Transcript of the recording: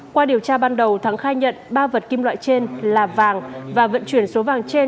qua điều tra ban đầu thắng khai nhận ba vật kim loại trên là vàng và vận chuyển số vàng trên